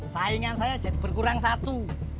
saingan saya jadi berkurang satu